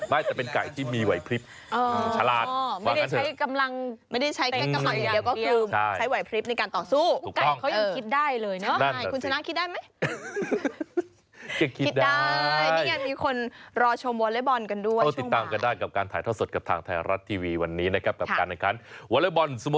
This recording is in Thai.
ไม่แต่เป็นไก่ที่มีไหวพลิบฉลาดไม่ได้ใช้กำลังไม่ได้ใช้แก๊กกำลังอย่างเดียวก็คือ